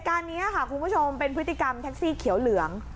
การนี้ค่ะคุณผู้ชมเป็นพฤติกรรมแท็กซี่เขียวเหลือง